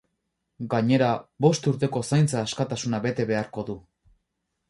Gainera, bost urteko zaintza askatasuna bete beharko du.